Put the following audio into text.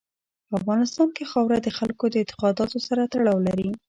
په افغانستان کې خاوره د خلکو د اعتقاداتو سره تړاو لري.